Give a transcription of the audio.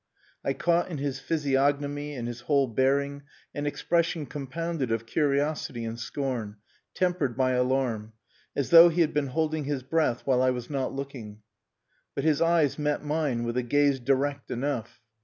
I caught in his physiognomy, in his whole bearing, an expression compounded of curiosity and scorn, tempered by alarm as though he had been holding his breath while I was not looking. But his eyes met mine with a gaze direct enough.